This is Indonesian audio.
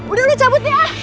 udah lu cabut ya